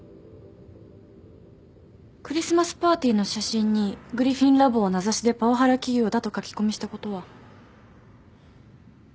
クリスマスパーティーの写真にグリフィン・ラボを名指しでパワハラ企業だと書き込みしたことは？